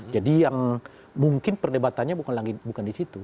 jadi yang mungkin perdebatannya bukan lagi di situ